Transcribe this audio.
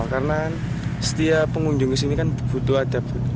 karena setiap pengunjung ke sini kan butuh ada bukti